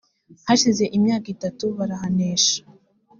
hashize imyaka itatu barahanesha